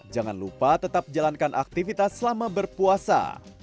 jangan lupa tetap jalankan aktivitas selama berpuasa